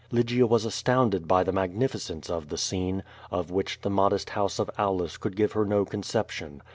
Lygia was astounded by the mag nificence of the scene, of which the modest house of Aulus could give her no conception.